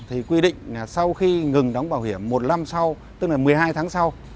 thì quy định là sau khi ngừng đóng bảo hiểm một năm sau tức là một mươi hai tháng sau